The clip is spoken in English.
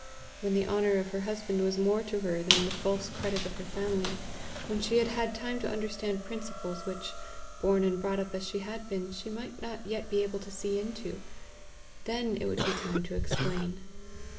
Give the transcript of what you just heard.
When the honour of her husband was more to her than the false credit of her family, when she had had time to understand principles which, born and brought up as she had been, she might not yet be able to see into, then it would be time to explain!